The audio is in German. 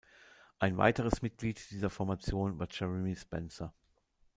Ein weiteres Mitglied dieser Formation war Jeremy Spencer.